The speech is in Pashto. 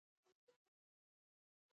د پښو درد لپاره د کوم شي تېل وکاروم؟